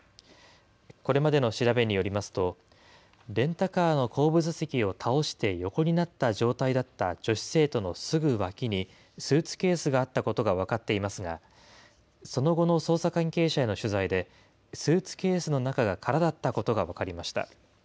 これまでの調べによりますと、レンタカーの後部座席を倒して横になった状態だった女子生徒のすぐ脇にスーツケースがあったことが分かっていますが、その後の捜査関係者への取材で、スーツケースの中が空だったことが分かりました。